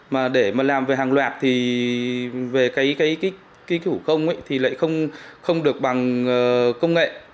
mà để mà làm về hàng loạt thì về cái chủ công thì lại không được bằng công nghệ